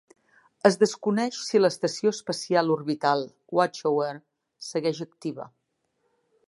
Es desconeix si l'estació espacial orbital Watchtower segueix activa.